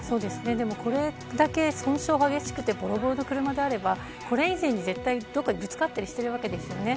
でも、これだけ損傷が激しくてぼろぼろの車であればこれ以前に絶対どこかにぶつかっているわけですよね。